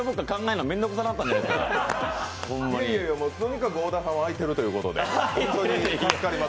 いやいや、とにかく小田さんは空いてるということで助かります。